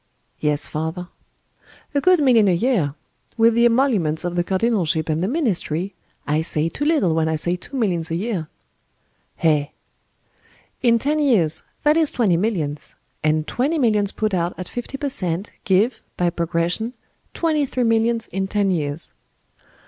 "Yes father." "A good million a year. With the emoluments of the cardinalship and the ministry, I say too little when I say two millions a year." "Eh!" "In ten years that is twenty millions—and twenty millions put out at fifty per cent. give, by progression, twenty three millions in ten years."